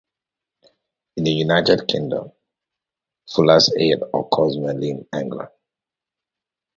In the United Kingdom, fuller's earth occurs mainly in England.